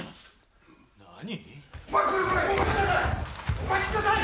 お待ちください！